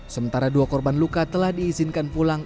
sementara dua korban luka telah diizinkan pulang